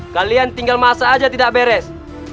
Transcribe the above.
kalian tinggal masak saja tidak beres